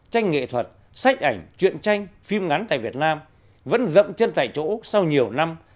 tranh nghệ thuật sách ảnh chuyện tranh phim ngắn tại việt nam vẫn rậm chân tại chỗ sau nhiều năm